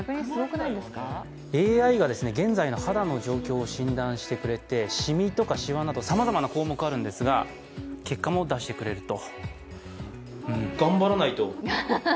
ＡＩが現在の肌の状況を診断してくれてしみとか、しわなどさまざまな項目あるんですが結果も出してくれると。